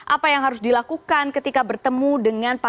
apa yang harus dilakukan ketika bertemu dengan penyelenggara kesehatan